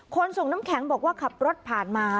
ส่งน้ำแข็งบอกว่าขับรถผ่านมา